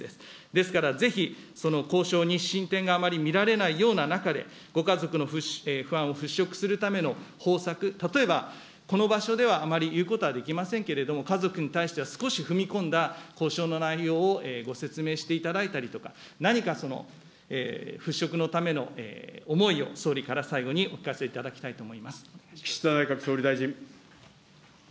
ですから、ぜひその交渉に進展があまり見られないような中で、ご家族の不安を払拭するための方策、例えばこの場所ではあまり言うことはできませんけれども、家族に対しては少し踏み込んだ交渉の内容をご説明していただいたりとか、何かその、払拭のための思いを総理から最後にお聞かせい岸田内閣総理大臣。